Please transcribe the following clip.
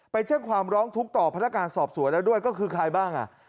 ไปเจ้งความร้องทุกต่อพันธการสอบสวยแล้วด้วยก็คือใครบ้าง